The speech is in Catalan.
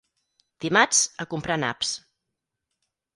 Dimarts, a comprar naps.